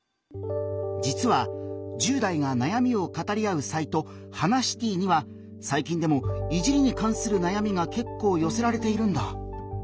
実は１０代がなやみを語り合うサイト「ハナシティ」にはさい近でも「いじり」にかんするなやみが結構よせられているんだ。